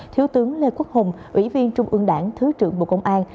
thiếu tướng lê quốc hùng ủy viên trung ương đảng thứ trưởng bộ công an